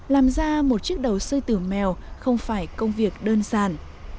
làm ra một chiếc đầu sư tử mèo không phải công việc đơn giản